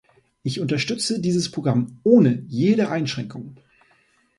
Ich unterstütze dieses Programm ohne jede Einschränkung.